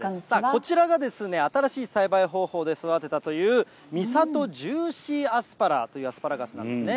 こちらがですね、新しい栽培方法で育てたという、三郷ジューシーあすぱらというアスパラガスなんですね。